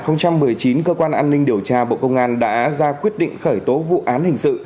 năm hai nghìn một mươi chín cơ quan an ninh điều tra bộ công an đã ra quyết định khởi tố vụ án hình sự